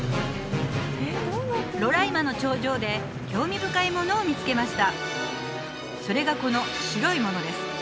ロライマの頂上で興味深いものを見つけましたそれがこの白いものです